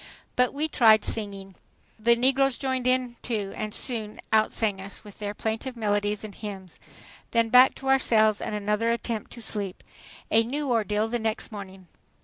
But we tried to sing. The negroes joined in, too, and soon outsang us, with their plaintive melodies and hymns. Then back to our cells and another attempt to sleep. A new ordeal the next morning!